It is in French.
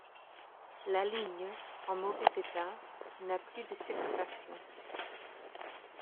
La ligne, en mauvais état, n'a plus de circulations.